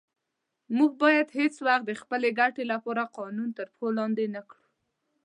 موږ باید هیڅ وخت د خپلې ګټې لپاره قانون تر پښو لاندې نه کړو.